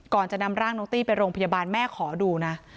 ก่อนจะนำร่างน้องตี้ไปโรงพยาบาลแม่ขอดูนะ